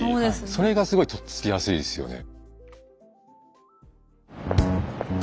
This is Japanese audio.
それがすごいとっつきやすいですよね。